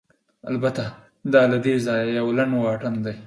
البته، دا له دې ځایه یو لنډ واټن دی.